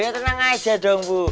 tenang aja bu